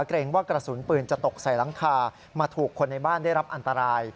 เกรงว่ากระสุนปืนจะตกใส่หลังคามาถูกคนในบ้านได้รับอันตราย